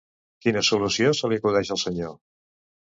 Quina solució se li acudeix al senyor.